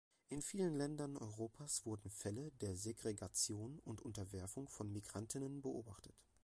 In vielen Ländern Europas wurden Fälle der Segregation und Unterwerfung von Migrantinnen beobachtet.